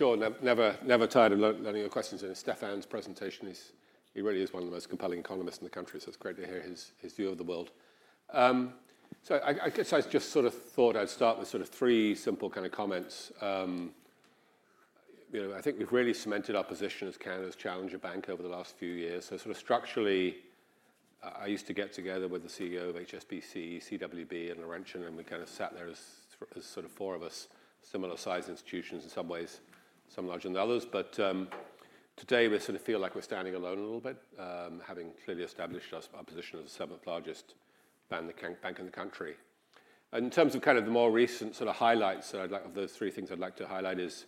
Sure, never tired of learning your questions. Stéfane's presentation is he really is one of the most compelling economists in the country, so it's great to hear his view of the world. I guess I just sort of thought I'd start with sort of three simple kind of comments. I think we've really cemented our position as Canada's challenger bank over the last few years. Structurally, I used to get together with the CEO of HSBC, CWB, and Laurentian, and we kind of sat there as sort of four of us, similar-sized institutions in some ways, some larger than others. Today, we sort of feel like we're standing alone a little bit, having clearly established our position as the seventh-largest bank in the country. In terms of kind of the more recent sort of highlights, of those three things I'd like to highlight is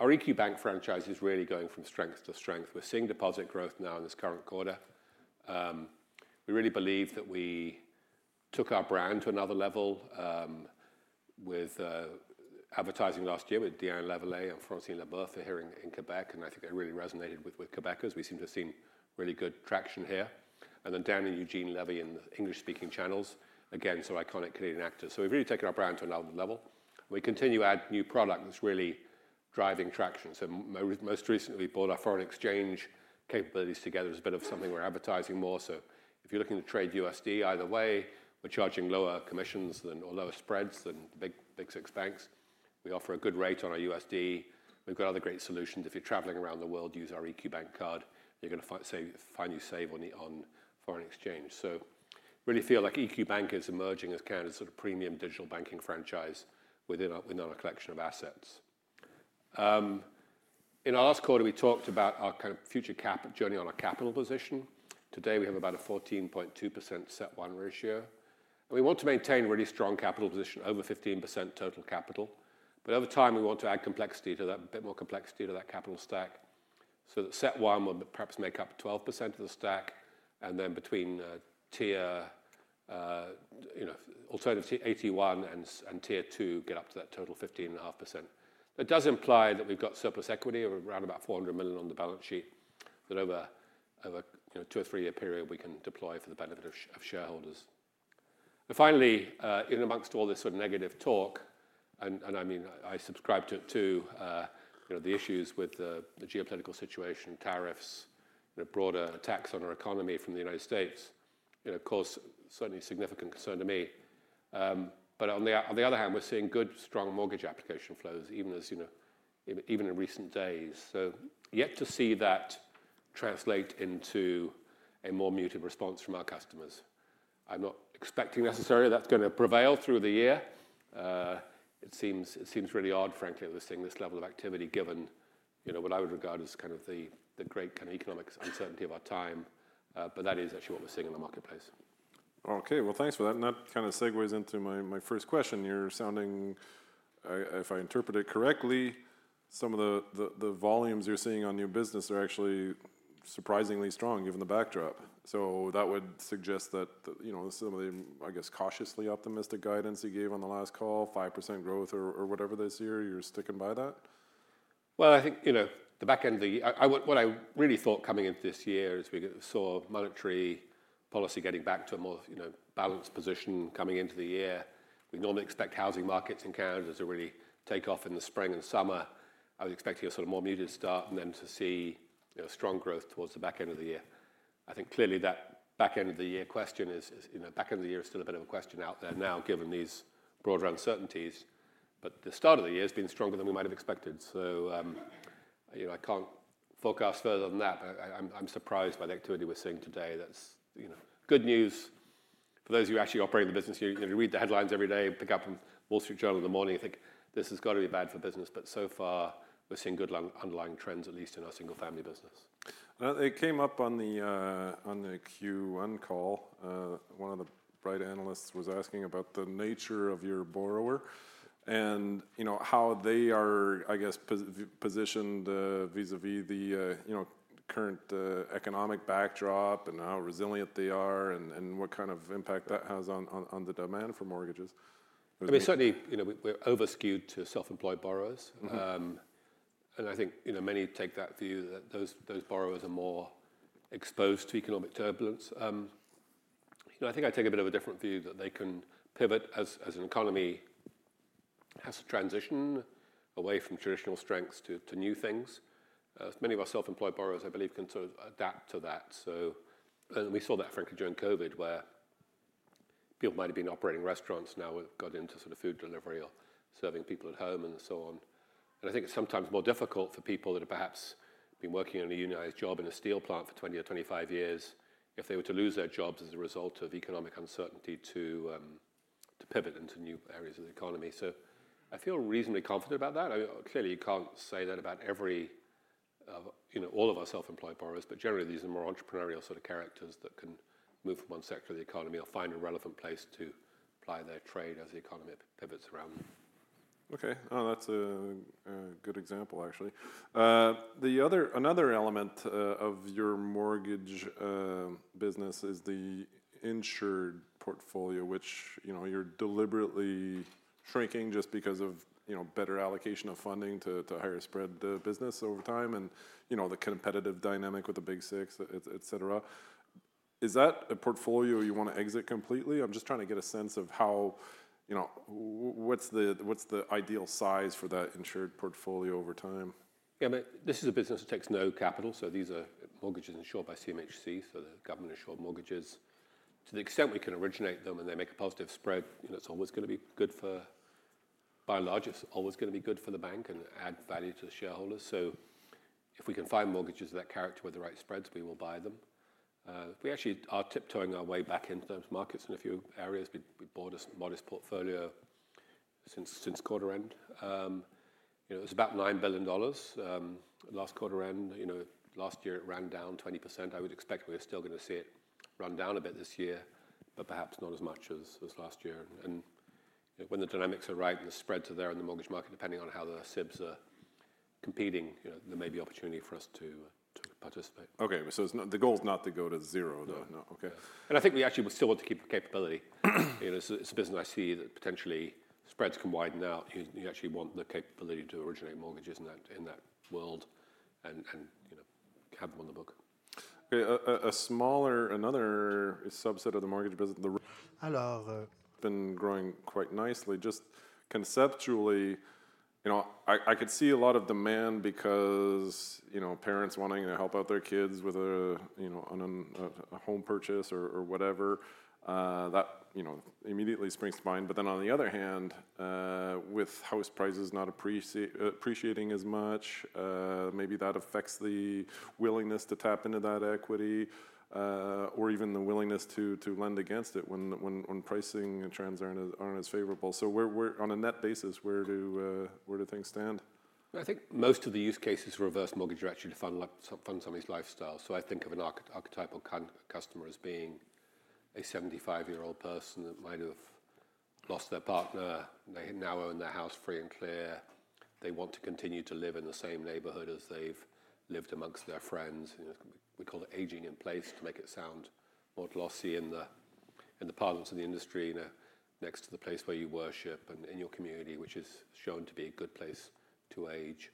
our EQ Bank franchise is really going from strength to strength. We're seeing deposit growth now in this current quarter. We really believe that we took our brand to another level with advertising last year with Diane Lavallée and Francine Labrief here in Quebec, and I think it really resonated with Quebecers. We seem to have seen really good traction here. Dan and Eugene Levy in the English-speaking channels, again, sort of iconic Canadian actors. We've really taken our brand to another level. We continue to add new product that's really driving traction. Most recently, we brought our foreign exchange capabilities together. It's a bit of something we're advertising more. If you're looking to trade USD either way, we're charging lower commissions or lower spreads than big six banks. We offer a good rate on our USD. We've got other great solutions. If you're traveling around the world, use our EQ Bank Card. You're going to find you save on foreign exchange. I really feel like EQ Bank is emerging as Canada's sort of premium digital banking franchise within our collection of assets. In our last quarter, we talked about our kind of future journey on our capital position. Today, we have about a 14.2% CET1 Ratio. We want to maintain a really strong capital position, over 15% total capital. Over time, we want to add a bit more complexity to that capital stack so that CET1 will perhaps make up 12% of the stack, and then between Additional Tier 1 and tier 2, get up to that total 15.5%. That does imply that we've got surplus equity of around about 400 million on the balance sheet, that over a two or three-year period, we can deploy for the benefit of shareholders. Finally, in amongst all this sort of negative talk, and I mean, I subscribe to it too, the issues with the geopolitical situation, tariffs, broader attacks on our economy from the United States, of course, certainly significant concern to me. On the other hand, we're seeing good, strong mortgage application flows, even in recent days. Yet to see that translate into a more muted response from our customers. I'm not expecting necessarily that's going to prevail through the year. It seems really odd, frankly, that we're seeing this level of activity given what I would regard as kind of the great kind of economic uncertainty of our time. That is actually what we're seeing in the marketplace. Okay. Thanks for that. That kind of segues into my first question. You're sounding, if I interpret it correctly, some of the volumes you're seeing on new business are actually surprisingly strong, given the backdrop. That would suggest that some of the, I guess, cautiously optimistic guidance you gave on the last call, 5% growth or whatever this year, you're sticking by that? I think the back end of what I really thought coming into this year as we saw monetary policy getting back to a more balanced position coming into the year, we normally expect housing markets in Canada to really take off in the spring and summer. I was expecting a sort of more muted start and then to see strong growth towards the back end of the year. I think clearly that back end of the year question is back end of the year is still a bit of a question out there now, given these broader uncertainties. The start of the year has been stronger than we might have expected. I cannot forecast further than that. I am surprised by the activity we are seeing today. That is good news. For those of you actually operating the business, you read the headlines every day, pick up a Wall Street Journal in the morning, you think this has got to be bad for business. So far, we're seeing good underlying trends, at least in our single-family business. It came up on the Q1 call. One of the bright analysts was asking about the nature of your borrower and how they are, I guess, positioned vis-à-vis the current economic backdrop and how resilient they are and what kind of impact that has on the demand for mortgages. I mean, certainly, we're over-skewed to self-employed borrowers. I think many take that view that those borrowers are more exposed to economic turbulence. I think I take a bit of a different view that they can pivot as an economy has to transition away from traditional strengths to new things. Many of our self-employed borrowers, I believe, can sort of adapt to that. We saw that, frankly, during COVID, where people might have been operating restaurants. Now we've got into sort of food delivery or serving people at home and so on. I think it's sometimes more difficult for people that have perhaps been working in a unionized job in a steel plant for 20 or 25 years if they were to lose their jobs as a result of economic uncertainty to pivot into new areas of the economy. I feel reasonably confident about that. Clearly, you can't say that about all of our self-employed borrowers, but generally, these are more entrepreneurial sort of characters that can move from one sector of the economy or find a relevant place to apply their trade as the economy pivots around. Okay. Oh, that's a good example, actually. Another element of your mortgage business is the insured portfolio, which you're deliberately shrinking just because of better allocation of funding to higher spread the business over time and the competitive dynamic with the big six, et cetera. Is that a portfolio you want to exit completely? I'm just trying to get a sense of what's the ideal size for that insured portfolio over time? Yeah, this is a business that takes no capital. These are mortgages insured by CMHC, so the government-insured mortgages. To the extent we can originate them and they make a positive spread, it's always going to be good for, by and large, it's always going to be good for the bank and add value to the shareholders. If we can find mortgages of that character with the right spreads, we will buy them. We actually are tiptoeing our way back into those markets in a few areas. We bought a modest portfolio since quarter end. It was about 9 billion dollars last quarter end. Last year, it ran down 20%. I would expect we're still going to see it run down a bit this year, but perhaps not as much as last year. When the dynamics are right and the spreads are there in the mortgage market, depending on how the SIBs are competing, there may be opportunity for us to participate. Okay. The goal is not to go to zero, though. No. Okay. I think we actually still want to keep capability. It's a business I see that potentially spreads can widen out. You actually want the capability to originate mortgages in that world and have them on the book. Okay. Another subset of the mortgage has been growing quite nicely. Just conceptually, I could see a lot of demand because parents wanting to help out their kids with a home purchase or whatever. That immediately springs to mind. On the other hand, with house prices not appreciating as much, maybe that affects the willingness to tap into that equity or even the willingness to lend against it when pricing and trends aren't as favorable. On a net basis, where do things stand? I think most of the use cases for reverse mortgage are actually to fund somebody's lifestyle. I think of an archetypal customer as being a 75-year-old person that might have lost their partner. They now own their house free and clear. They want to continue to live in the same neighborhood as they've lived amongst their friends. We call it aging in place to make it sound more glossy in the parlance of the industry, next to the place where you worship and in your community, which is shown to be a good place to age.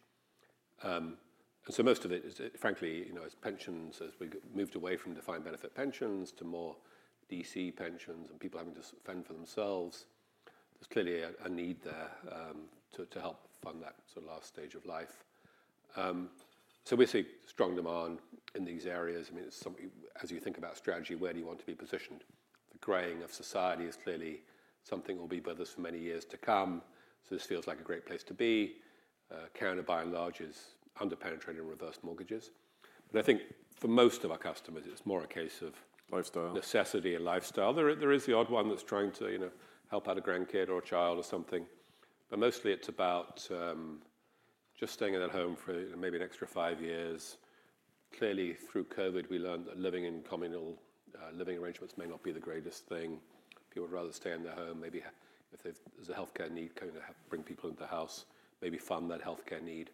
Most of it, frankly, is pensions as we moved away from defined benefit pensions to more DC pensions and people having to fend for themselves. There is clearly a need there to help fund that sort of last stage of life. We see strong demand in these areas. I mean, as you think about strategy, where do you want to be positioned? The graying of society is clearly something that will be with us for many years to come. This feels like a great place to be. Canada, by and large, is underpenetrated in reverse mortgages. I think for most of our customers, it's more a case of necessity and lifestyle. There is the odd one that's trying to help out a grandkid or a child or something. Mostly, it's about just staying at home for maybe an extra five years. Clearly, through COVID, we learned that living in communal living arrangements may not be the greatest thing. People would rather stay in their home. Maybe if there's a healthcare need, bring people into the house, maybe fund that healthcare need.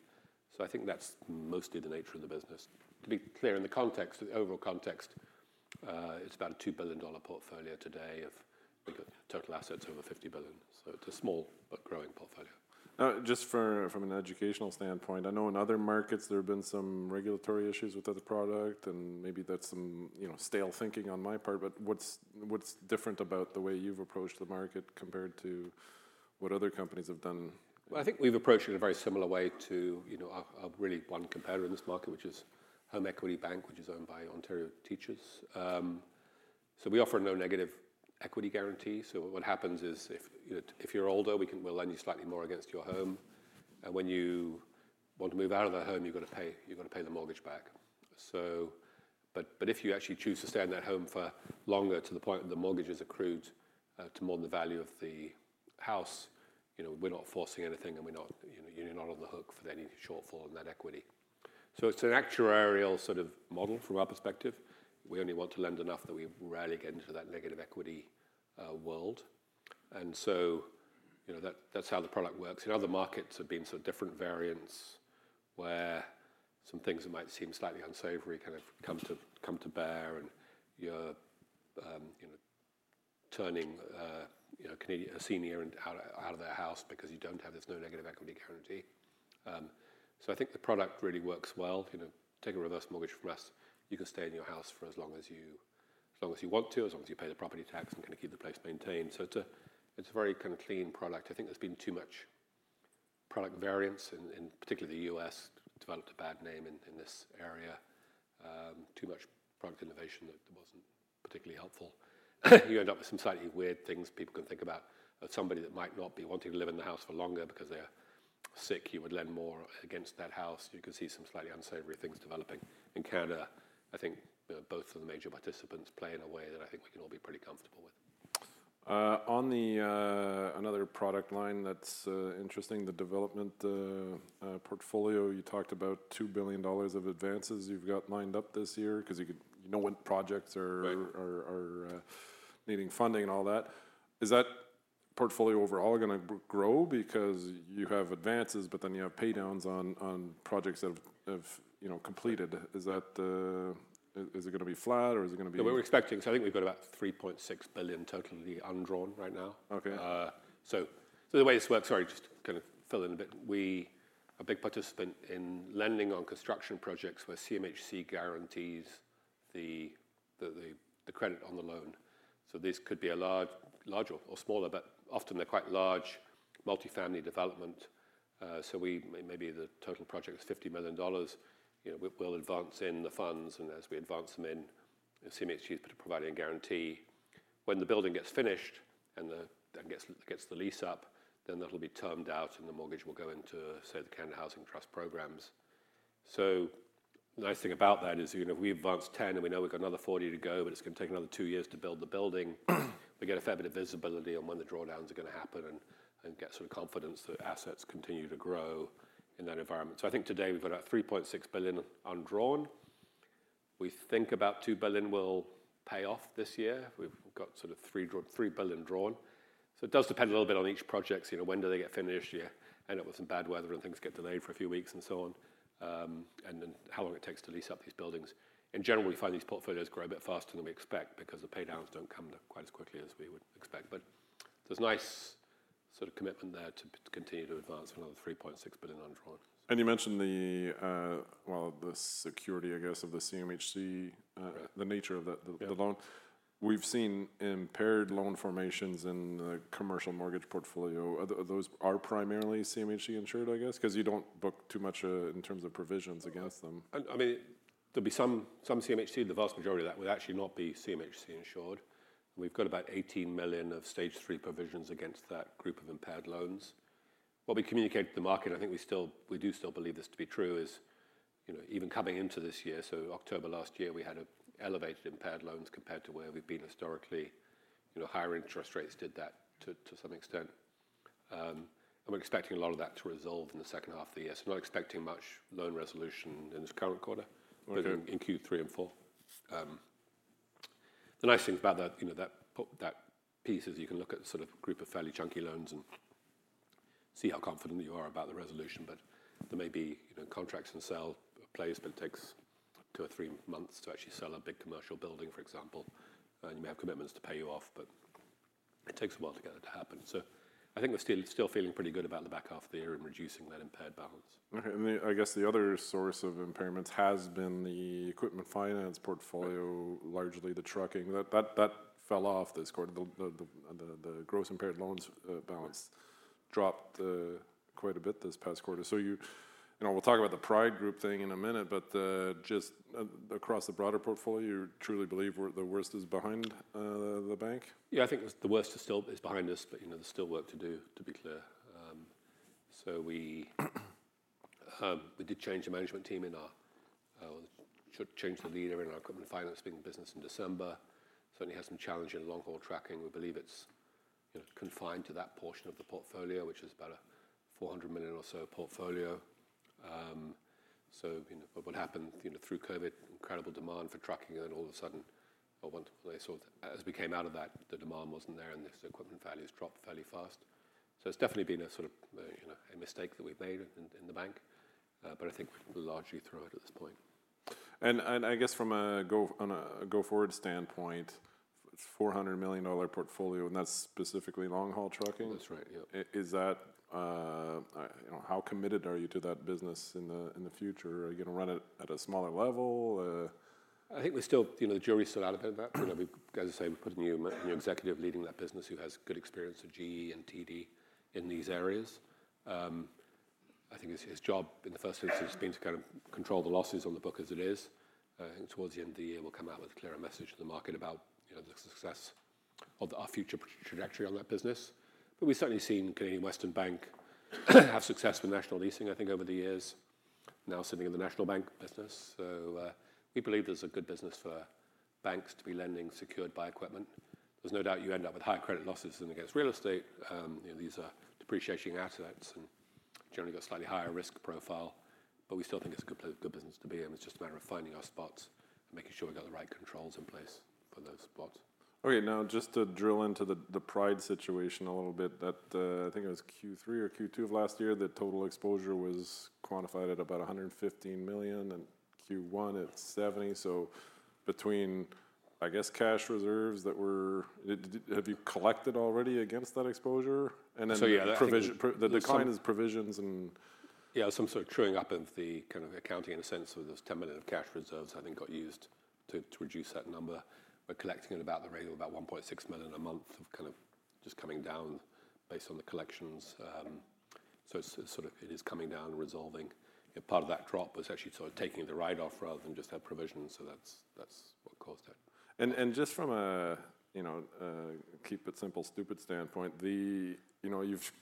I think that's mostly the nature of the business. To be clear, in the overall context, it's about a 2 billion dollar portfolio today of total assets over 50 billion. It's a small but growing portfolio. Just from an educational standpoint, I know in other markets, there have been some regulatory issues with the product, and maybe that's some stale thinking on my part. What is different about the way you've approached the market compared to what other companies have done? I think we've approached it in a very similar way to a really one competitor in this market, which is Home Equity Bank, which is owned by Ontario Teachers. We offer no negative equity guarantee. What happens is if you're older, we'll lend you slightly more against your home. When you want to move out of that home, you're going to pay the mortgage back. If you actually choose to stay in that home for longer to the point that the mortgage is accrued to more than the value of the house, we're not forcing anything, and you're not on the hook for any shortfall in that equity. It is an actuarial sort of model from our perspective. We only want to lend enough that we rarely get into that negative equity world. That is how the product works. In other markets, there have been sort of different variants where some things that might seem slightly unsavory kind of come to bear, and you're turning a senior out of their house because you don't have this no negative equity guarantee. I think the product really works well. Take a reverse mortgage from us. You can stay in your house for as long as you want to, as long as you pay the property tax and can keep the place maintained. It's a very kind of clean product. I think there's been too much product variance, and particularly the U.S. developed a bad name in this area. Too much product innovation that wasn't particularly helpful. You end up with some slightly weird things people can think about. Somebody that might not be wanting to live in the house for longer because they're sick, you would lend more against that house. You can see some slightly unsavory things developing in Canada. I think both of the major participants play in a way that I think we can all be pretty comfortable with. On another product line that's interesting, the development portfolio, you talked about $2 billion of advances you've got lined up this year because you know when projects are needing funding and all that. Is that portfolio overall going to grow because you have advances, but then you have paydowns on projects that have completed? Is it going to be flat, or is it going to be? We're expecting, so I think we've got about $3.6 billion totally undrawn right now. The way this works, sorry, just to kind of fill in a bit, we are a big participant in lending on construction projects where Canada Mortgage and Housing Corporation guarantees the credit on the loan. This could be a large or smaller, but often they're quite large multifamily development. Maybe the total project is $50 million. We'll advance in the funds, and as we advance them in, Canada Mortgage and Housing Corporation is providing a guarantee. When the building gets finished and gets the lease up, that will be termed out, and the mortgage will go into, say, the Canada Housing Trust programs. The nice thing about that is we advance 10, and we know we've got another 40 to go, but it's going to take another two years to build the building. We get a fair bit of visibility on when the drawdowns are going to happen and get sort of confidence that assets continue to grow in that environment. I think today we have about 3.6 billion undrawn. We think about 2 billion will pay off this year. We have sort of 3 billion drawn. It does depend a little bit on each project. When do they get finished? You end up with some bad weather and things get delayed for a few weeks and so on, and then how long it takes to lease up these buildings. In general, we find these portfolios grow a bit faster than we expect because the paydowns do not come quite as quickly as we would expect. There is a nice sort of commitment there to continue to advance another 3.6 billion undrawn. You mentioned the security, I guess, of the CMHC, the nature of the loan. We've seen impaired loan formations in the commercial mortgage portfolio. Are those primarily CMHC insured, I guess, because you don't book too much in terms of provisions against them? I mean, there'll be some CMHC. The vast majority of that would actually not be CMHC insured. We've got about $18 million of stage three provisions against that group of impaired loans. What we communicate to the market, I think we do still believe this to be true, is even coming into this year, so October last year, we had elevated impaired loans compared to where we've been historically. Higher interest rates did that to some extent. We're expecting a lot of that to resolve in the second half of the year. We're not expecting much loan resolution in this current quarter, but in Q3 and Q4. The nice thing about that piece is you can look at a sort of group of fairly chunky loans and see how confident you are about the resolution. There may be contracts and sell plays, but it takes two or three months to actually sell a big commercial building, for example. You may have commitments to pay you off, but it takes a while to get it to happen. I think we're still feeling pretty good about the back half of the year and reducing that impaired balance. Okay. I guess the other source of impairments has been the equipment finance portfolio, largely the trucking. That fell off this quarter. The gross impaired loans balance dropped quite a bit this past quarter. We'll talk about the Pride Group thing in a minute, but just across the broader portfolio, you truly believe the worst is behind the bank? Yeah, I think the worst is still behind us, but there's still work to do, to be clear. We did change the management team in our equipment finance business in December. Certainly had some challenging long-haul trucking. We believe it's confined to that portion of the portfolio, which is about a $400 million or so portfolio. What happened through COVID, incredible demand for trucking, and then all of a sudden, as we came out of that, the demand wasn't there, and the equipment values dropped fairly fast. It's definitely been a sort of a mistake that we've made in the bank, but I think we're largely through it at this point. I guess from a go-forward standpoint, $400 million portfolio, and that's specifically long-haul trucking. That's right, yeah. Is that how committed are you to that business in the future? Are you going to run it at a smaller level? I think we're still the jury's still out a bit of that. We've got to say we've put a new executive leading that business who has good experience at General Electric and TD Bank in these areas. I think his job in the first instance has been to kind of control the losses on the book as it is. I think towards the end of the year, we'll come out with a clearer message to the market about the success of our future trajectory on that business. We've certainly seen Canadian Western Bank have success with National Leasing, I think, over the years, now sitting in the National Bank of Canada business. We believe this is a good business for banks to be lending secured by equipment. There's no doubt you end up with higher credit losses than against real estate. These are depreciating assets and generally got a slightly higher risk profile. We still think it's a good business to be in. It's just a matter of finding our spots and making sure we've got the right controls in place for those spots. Okay. Now, just to drill into the Pride situation a little bit, I think it was Q3 or Q2 of last year that total exposure was quantified at about $115 million and Q1 at $70 million. So between, I guess, cash reserves that were, have you collected already against that exposure? And then the clean is provisions and. Yeah, some sort of truing up of the kind of accounting in a sense. There is $10 million of cash reserves I think got used to reduce that number. We're collecting at about the rate of about $1.6 million a month of kind of just coming down based on the collections. It is coming down and resolving. Part of that drop was actually taking the write-off rather than just have provisions. That is what caused it. Just from a keep it simple, stupid standpoint, you've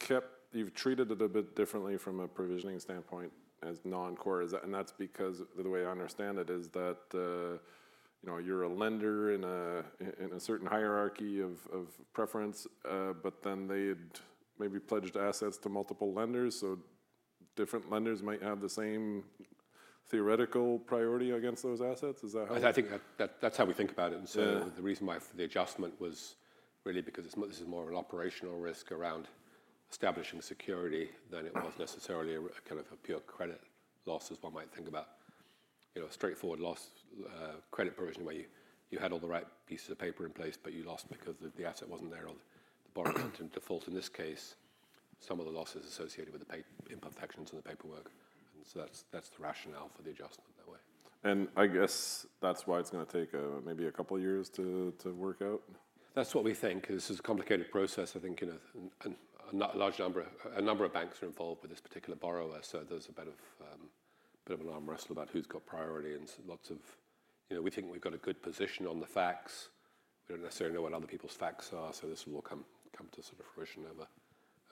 treated it a bit differently from a provisioning standpoint as non-core. That's because the way I understand it is that you're a lender in a certain hierarchy of preference, but then they'd maybe pledged assets to multiple lenders. Different lenders might have the same theoretical priority against those assets. Is that how? I think that's how we think about it. The reason why the adjustment was really because this is more of an operational risk around establishing security than it was necessarily a kind of a pure credit loss as one might think about. Straightforward loss credit provision where you had all the right pieces of paper in place, but you lost because the asset wasn't there or the bottom line in default. In this case, some of the losses associated with the imperfections in the paperwork. That's the rationale for the adjustment that way. I guess that's why it's going to take maybe a couple of years to work out? That's what we think. This is a complicated process. I think a large number of banks are involved with this particular borrower. There is a bit of an arm wrestle about who's got priority and we think we've got a good position on the facts. We don't necessarily know what other people's facts are. This will come to fruition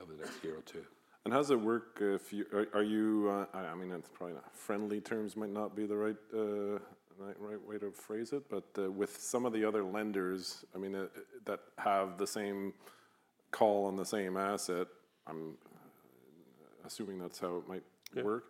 over the next year or two. How does it work? Are you, I mean, it's probably not friendly terms might not be the right way to phrase it. With some of the other lenders, I mean, that have the same call on the same asset, I'm assuming that's how it might work.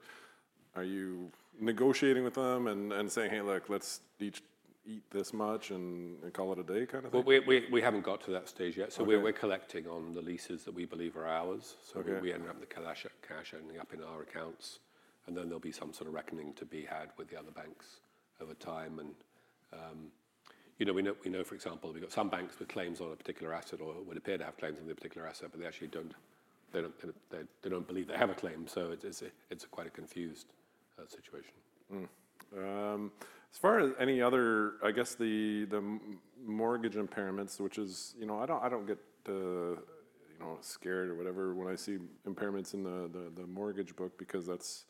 Are you negotiating with them and saying, "Hey, look, let's each eat this much and call it a day" kind of thing? We haven't got to that stage yet. We're collecting on the leases that we believe are ours. We end up with the cash ending up in our accounts. There'll be some sort of reckoning to be had with the other banks over time. We know, for example, we've got some banks with claims on a particular asset or would appear to have claims on the particular asset, but they actually don't believe they have a claim. It's quite a confused situation. As far as any other, I guess, the mortgage impairments, which is I don't get scared or whatever when I see impairments in the mortgage book because that's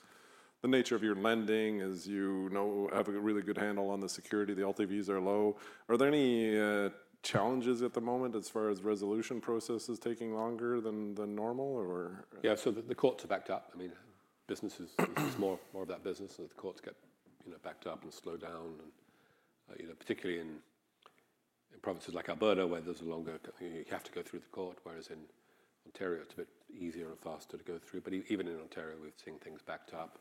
the nature of your lending is you have a really good handle on the security. The LTVs are low. Are there any challenges at the moment as far as resolution processes taking longer than normal, or? Yeah, the courts are backed up. I mean, business is more of that business. The courts get backed up and slowed down, particularly in provinces like Alberta where there's a longer you have to go through the court, whereas in Ontario, it's a bit easier and faster to go through. Even in Ontario, we've seen things backed up.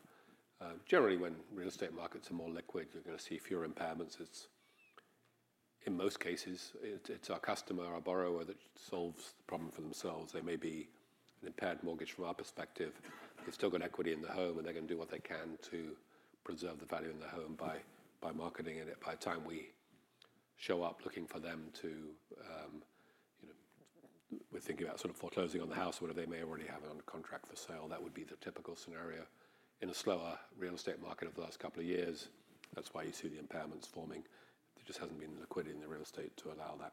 Generally, when real estate markets are more liquid, you're going to see fewer impairments. In most cases, it's our customer, our borrower that solves the problem for themselves. They may be an impaired mortgage from our perspective. They've still got equity in the home, and they're going to do what they can to preserve the value in the home by marketing it. By the time we show up looking for them too, we're thinking about sort of foreclosing on the house or whatever, they may already have on contract for sale. That would be the typical scenario. In a slower real estate market over the last couple of years, that's why you see the impairments forming. There just hasn't been liquidity in the real estate to allow that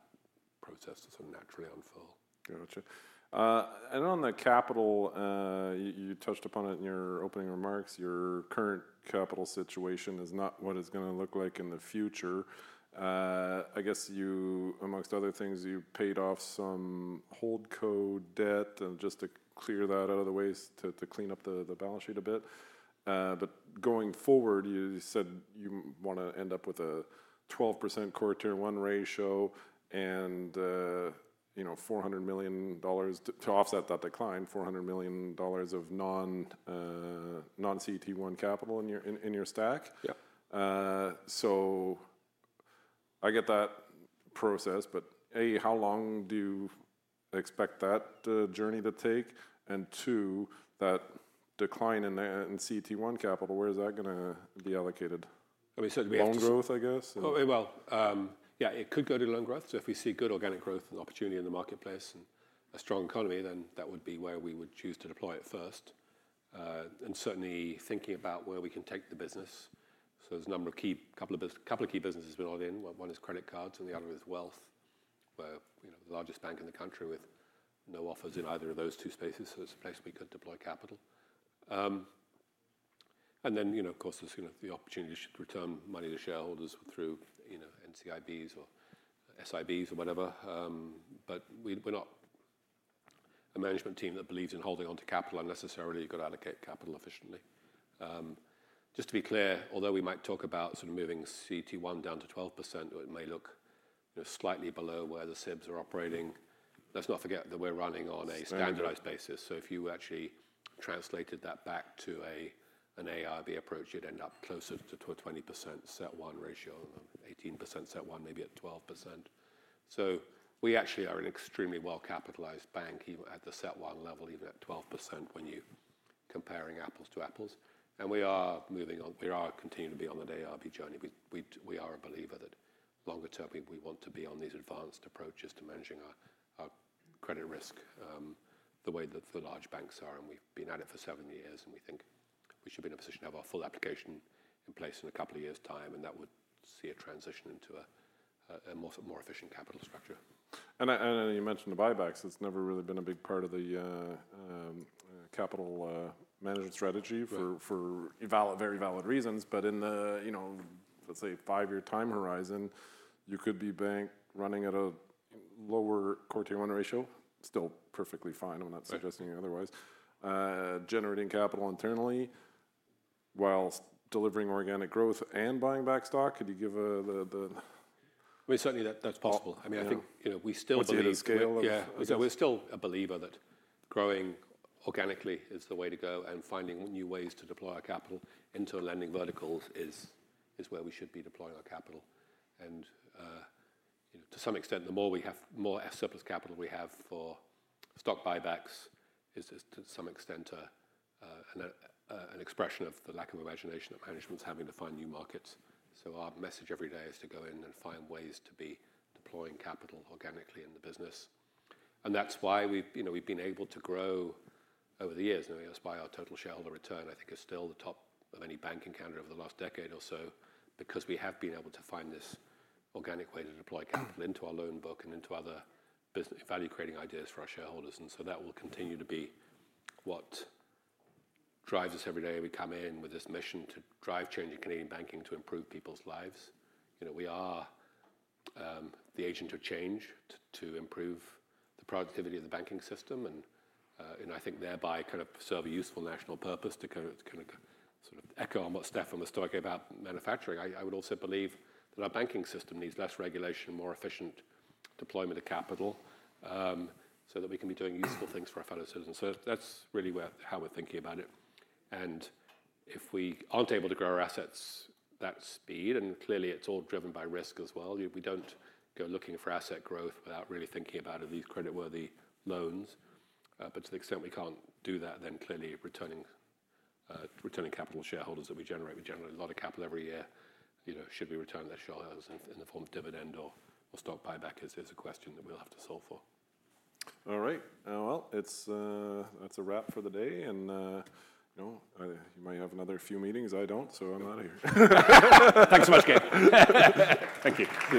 process to sort of naturally unfold. Gotcha. On the capital, you touched upon it in your opening remarks. Your current capital situation is not what it is going to look like in the future. I guess, amongst other things, you paid off some holdco debt just to clear that out of the way to clean up the balance sheet a bit. Going forward, you said you want to end up with a 12% CET1 ratio and $400 million to offset that decline, $400 million of non-CET1 capital in your stack. I get that process, but A, how long do you expect that journey to take? Two, that decline in CET1 capital, where is that going to be allocated? I mean, so it'd be actually. Loan growth, I guess? Yeah, it could go to loan growth. If we see good organic growth and opportunity in the marketplace and a strong economy, that would be where we would choose to deploy it first. Certainly thinking about where we can take the business. There are a couple of key businesses we've brought in. One is credit cards, and the other is wealth, the largest bank in the country with no offers in either of those two spaces. It is a place we could deploy capital. Of course, there is the opportunity to return money to shareholders through NCIBs or SIBs or whatever. We are not a management team that believes in holding onto capital unnecessarily. You have to allocate capital efficiently. Just to be clear, although we might talk about sort of moving CET1 down to 12%, it may look slightly below where the SIBs are operating. Let's not forget that we're running on a standardized basis. If you actually translated that back to an AIRB approach, you'd end up closer to a 20% CET1 ratio, 18% CET1, maybe at 12%. We actually are an extremely well-capitalized bank at the CET1 level, even at 12% when you're comparing apples to apples. We are moving on. We are continuing to be on the AIRB journey. We are a believer that longer term, we want to be on these advanced approaches to managing our credit risk the way that the large banks are. We have been at it for seven years, and we think we should be in a position to have our full application in place in a couple of years' time. That would see a transition into a more efficient capital structure. You mentioned the buybacks. It's never really been a big part of the capital management strategy for very valid reasons. In the, let's say, five-year time horizon, you could be running at a lower core to one ratio. Still perfectly fine. I'm not suggesting otherwise. Generating capital internally while delivering organic growth and buying back stock. Could you give the? Certainly that's possible. I mean, I think we still believe. What's the scale of? Yeah. We are still a believer that growing organically is the way to go, and finding new ways to deploy our capital into lending verticals is where we should be deploying our capital. To some extent, the more surplus capital we have for stock buybacks is, to some extent, an expression of the lack of imagination that management is having to find new markets. Our message every day is to go in and find ways to be deploying capital organically in the business. That is why we have been able to grow over the years. That is why our total shareholder return, I think, is still the top of any bank in Canada over the last decade or so because we have been able to find this organic way to deploy capital into our loan book and into other value-creating ideas for our shareholders. That will continue to be what drives us every day. We come in with this mission to drive change in Canadian banking to improve people's lives. We are the agent of change to improve the productivity of the banking system. I think thereby kind of serve a useful national purpose to kind of sort of echo on what Stéfane said on the story about manufacturing. I would also believe that our banking system needs less regulation, more efficient deployment of capital so that we can be doing useful things for our fellow citizens. That is really how we're thinking about it. If we aren't able to grow our assets at that speed, and clearly it's all driven by risk as well, we don't go looking for asset growth without really thinking about these credit-worthy loans. To the extent we can't do that, then clearly returning capital to shareholders that we generate, we generate a lot of capital every year. Should we return to shareholders in the form of dividend or stock buyback is a question that we'll have to solve for. All right. That is a wrap for the day. You might have another few meetings. I do not, so I am out of here. Thanks so much, Gabriel. Thank you.